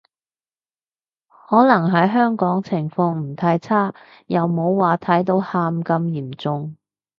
可能喺香港情況唔太差，又冇話睇到喊咁嚴重